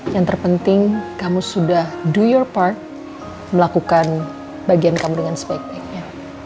yang terpenting kamu sudah new your park melakukan bagian kamu dengan sebaik baiknya